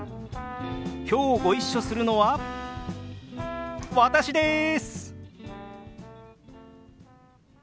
きょうご一緒するのは私です！